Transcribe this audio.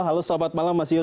halo selamat malam mas yoyo